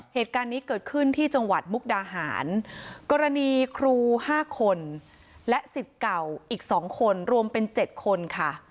เหตุการณ์นี้เกิดขึ้นที่จังหวัดมุกดาหารกรณีครู๕คนและสิทธิ์เก่าอีก๒คนรวมเป็น๗คนค่ะ